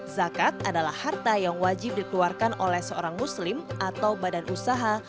zakat adalah harta yang wajib dikeluarkan oleh seorang muslim atau badan usaha